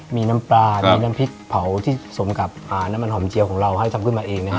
มีน้ำปลามีน้ำพริกเผาที่สมกับน้ำมันหอมเจียวของเราให้ทำขึ้นมาเองนะฮะ